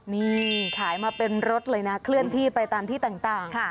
นี่ขายมาเป็นรถเลยนะเคลื่อนที่ไปตามที่ต่าง